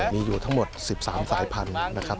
มีอยู่ทั้งหมด๑๓สายพันธุ์นะครับ